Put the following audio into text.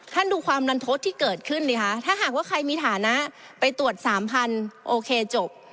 ท่านดูความรันทดที่เกิดขึ้นเลยค่ะถ้าหากว่าใครมีฐานะไปตรวจ๓๐๐๐โอเคจบ